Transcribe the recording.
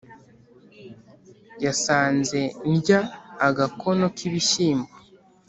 yasanze ndya agakono k’ibishyimbo,